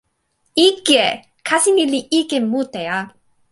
ike! kasi ni li ike mute a.